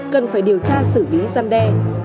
cần phải điều tra xử lý gian đe